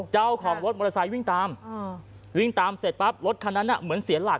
เจ้าของรถมอเตอร์ไซค์วิ่งตามวิ่งตามเสร็จปั๊บรถคันนั้นเหมือนเสียหลัก